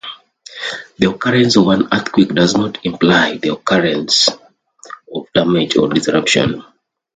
The occurrence of an earthquake does not imply the occurrence of damage or disruption.